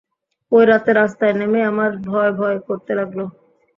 ঐ রাতে রাস্তায় নেমেই আমার ভয়ভয় করতে লাগল।